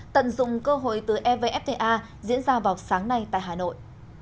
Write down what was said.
tận dụng cơ hội từ evfta diễn ra vào sáng nay tại hà nội